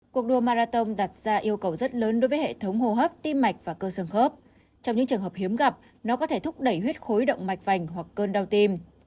cuộc đua marathon đặt ra yêu cầu rất lớn đối với hệ thống hồ hấp tim mạch và cơ sương khớp trong những trường hợp hiếm gặp nó có thể thúc đẩy huyết khối động mạch vành hoặc cơn đau tim